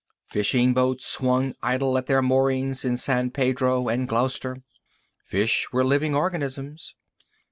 Fishing boats swung idle at their moorings in San Pedro and Gloucester. Fish were living organisms.